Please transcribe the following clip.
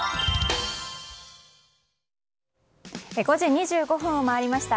５時２５分を回りました。